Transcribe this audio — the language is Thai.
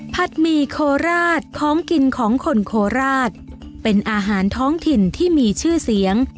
หมี่โคราชของกินของคนโคราชเป็นอาหารท้องถิ่นที่มีชื่อเสียง